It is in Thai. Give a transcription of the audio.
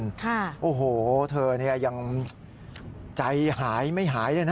ค่ะโอ้โหเธอเนี่ยยังใจหายไม่หายเลยนะ